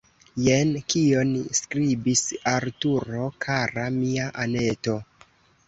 Jen kion skribis Arturo: « Kara mia Anneto!